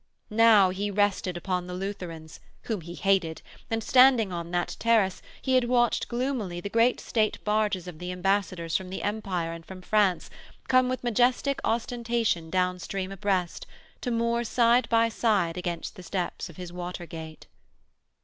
Now he rested upon the Lutherans, whom he hated, and, standing on that terrace, he had watched gloomily the great State barges of the Ambassadors from the Empire and from France come with majestic ostentation downstream abreast, to moor side by side against the steps of his water gate.